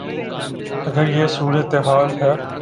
اگر یہ صورتحال ہے۔